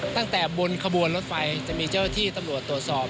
ตั้งแต่บนขบวนรถไฟจะมีเจ้าที่ตำรวจตรวจสอบ